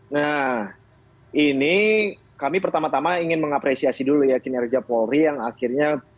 nah ini kami pertama tama ingin mengapresiasi dulu ya kinerja polri yang akhirnya